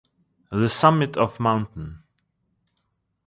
The summit of Mt.